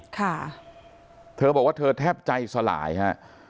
ค่ะเธอบอกว่าเธอแทบใจสลายฮะ